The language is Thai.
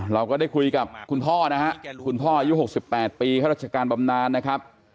เราก็ได้คุยกับคุณพ่อนะฮะคุณพ่ออายุ๖๘ปีข้าราชการบำนานนะครับ